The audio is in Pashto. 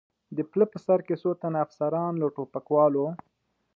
د پله په سر کې څو تنه افسران، له ټوپکوالو.